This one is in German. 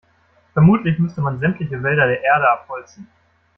Vermutlich müsste man sämtliche Wälder der Erde abholzen.